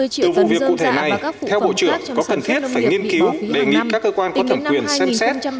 vụ việc cụ thể này theo bộ trưởng có cần thiết phải nghiên cứu đề nghị các cơ quan có thẩm quyền xem xét